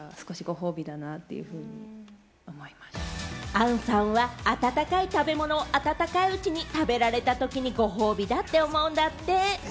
杏さんは温かい食べ物を温かいうちに食べられたときに、ご褒美だって思うんだって。